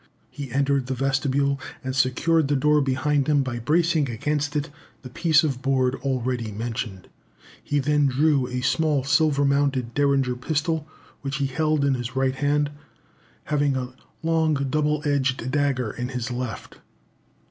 He entered the vestibule, and secured the door behind him by bracing against it the piece of board already mentioned. He then drew a small silver mounted Derringer pistol, which he held in his right hand, having a long double edged dagger in his left.